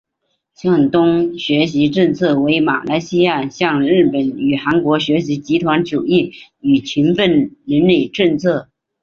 向东学习政策为马来西亚向日本与韩国学习集团主义与勤奋论理政策。